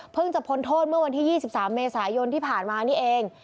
จะพ้นโทษเมื่อวันที่๒๓เมษายนที่ผ่านมานี่เอง